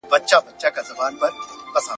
د هغه غرور په دام کي بندیوان سي `